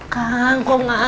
kang kok gak ada sih kang